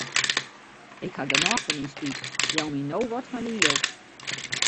Ik haw genôch fan dyn spyt, jou my no wat fan dyn jild.